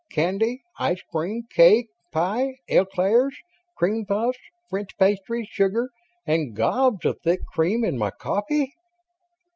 Candy, ice cream, cake, pie, eclairs, cream puffs, French pastries, sugar and gobs of thick cream in my coffee...?"